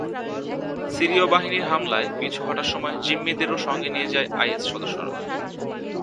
সিরীয় বাহিনীর হামলায় পিছু হটার সময় জিম্মিদেরও সঙ্গে নিয়ে যায় আইএস সদস্যরা।